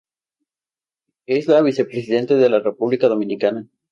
Es la vicepresidente de la República Dominicana.